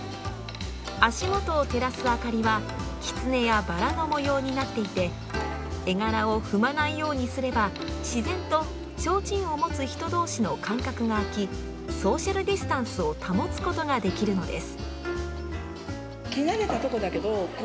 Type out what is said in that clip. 足元を照らす明かりは、キツネやバラの模様になっていて、絵柄を踏まないようにすれば、自然とちょうちんを持つ人同士の間隔が空き、ソーシャルディスタンスを保つことができるのです。